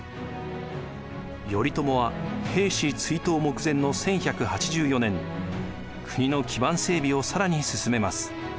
頼朝は平氏追討目前の１１８４年国の基盤整備を更に進めます。